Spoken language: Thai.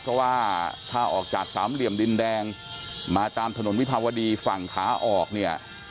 เพราะว่าถ้าออกจากสามเหลี่ยมดินแดงมาตามถนนวิภาวดีฝั่งขาออกเนี่ย